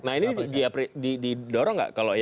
nah ini didorong nggak kalau ya